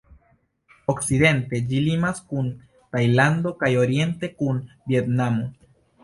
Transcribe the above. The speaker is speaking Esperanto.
Okcidente ĝi limas kun Tajlando kaj oriente kun Vjetnamo.